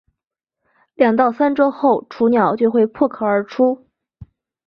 两到三周后雏鸟就会破壳而出。